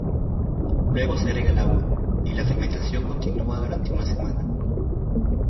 Luego se agrega el agua y la fermentación continúa durante una semana.